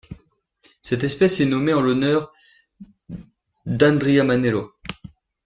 Cette espèce est nommée en l'honneur d'Andriamanelo.